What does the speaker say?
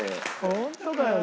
ホントかよ。